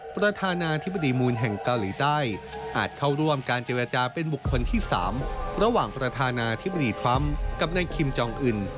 เป็นบุคคลที่๓ระหว่างประธานาธิบดีทรัมผ์กับนายคิมจองอื่น